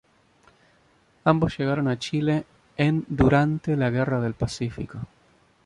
Ambos llegaron a Chile en durante la Guerra del Pacífico.